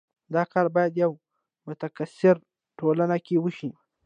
دا کار باید په یوه متکثره ټولنه کې وشي.